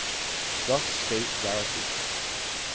Thus spake Zarathustra.